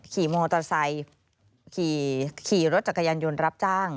ขี่มอเตอร์ไซค์ขี่รถจักรยานยนต์รับจ้าง